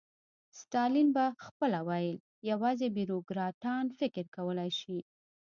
ستالین به خپله ویل یوازې بیروکراټان فکر کولای شي.